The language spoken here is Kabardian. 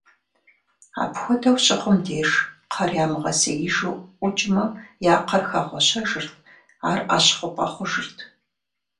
Апхуэдэу щыхъум деж, кхъэр ямыгъэсеижу ӀукӀмэ, я кхъэр хэгъуэщэжырт, ар Ӏэщ хъупӀэ хъужырт.